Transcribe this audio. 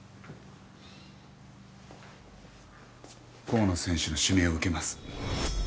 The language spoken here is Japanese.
河野選手の指名を受けます。